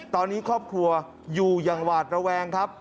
ตอนนี้ครอบครัวอยู่อย่างหวาดระแวงครับ